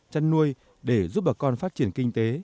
chăn nuôi để giúp bà con phát triển kinh tế